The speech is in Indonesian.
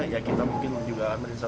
ya kita mungkin juga analisa